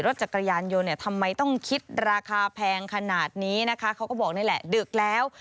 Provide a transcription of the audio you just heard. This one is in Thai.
ทำไมต้องคิดราคาแพงขนาดนี้นะคะเขาก็บอกนี่แหละดึกแล้ว